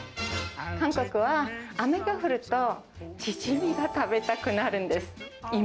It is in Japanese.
韓国は、雨が降るとチヂミが食べたくなるんです。